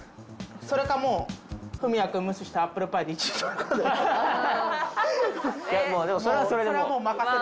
それか文哉君を無視してアップルパイでも。